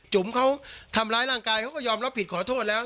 จุ๋มเขาทำร้ายร่างกายเขาก็ยอมรับผิดขอโทษแล้ว